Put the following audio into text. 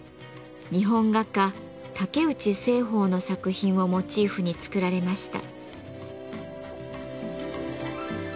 日本画家竹内栖鳳の作品をモチーフに作られました。